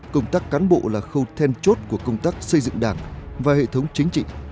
công tác cán bộ là khâu then chốt của công tác xây dựng đảng và hệ thống chính trị